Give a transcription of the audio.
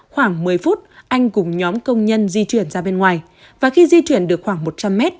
khoảng một mươi phút anh cùng nhóm công nhân di chuyển ra bên ngoài và khi di chuyển được khoảng một trăm linh mét